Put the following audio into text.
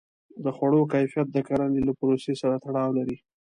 د خوړو کیفیت د کرنې له پروسې سره تړاو لري.